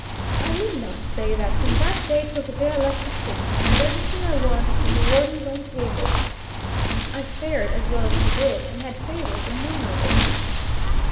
I need not say that from that day till the day I left the prison, I had everything I wanted from the Warden's own table; I fared as well as he did, and had favors innumerable.